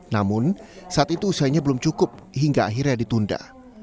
namun saat itu usahanya belum cukup hingga akhirnya ditunda